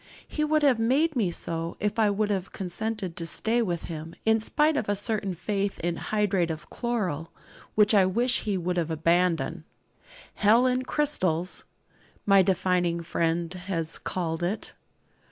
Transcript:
He would have made me so, if I would have consented to stay with him, in spite of a certain faith in hydrate of chloral, which I wish he would abandon. 'Hell in crystals,' my defining friend has called it.